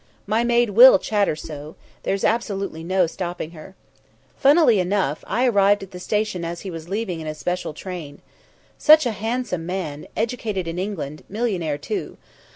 My maid will chatter so, there's absolutely no stopping her. Funnily enough, I arrived at the station as he was leaving in a special train. Such a handsome man, educated in England, millionaire too.